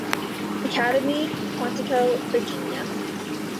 Academy, Quantico, Virginia.